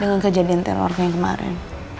dengan kejadian teror yang kemarin